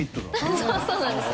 そうなんです。